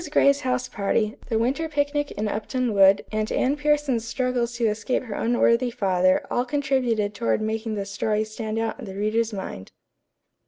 Gray's house party, the winter picnic in Upton Wood, and Anne Pierson's struggles to escape her unworthy father all contributed toward making the story stand out in the reader's mind.